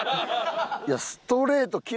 いやストレート